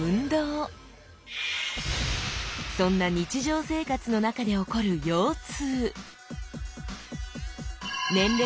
そんな日常生活の中で起こる腰痛